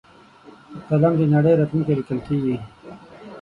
په قلم د نړۍ راتلونکی لیکل کېږي.